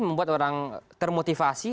membuat orang termotivasi